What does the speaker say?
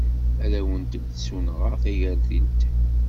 Ad awent-d-ssunɣeɣ tagertilt?